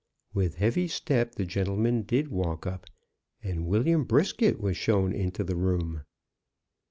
With heavy step the gentleman did walk up, and William Brisket was shown into the room.